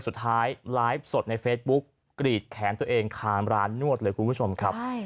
สุดท้ายไลฟ์สดในเฟซบุ๊กกรีดแขนตัวเองคามร้านนวดเลยคุณผู้ชมครับ